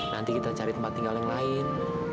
nanti kita cari tempat tinggal yang lain